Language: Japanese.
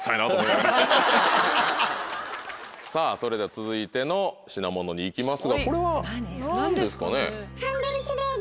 さぁそれでは続いての品物に行きますがこれは何ですかね？